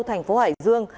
thành phố hải dương